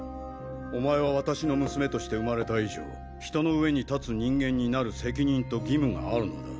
お前は私の娘として生まれた以上人の上に立つ人間になる責任と義務があるのだ。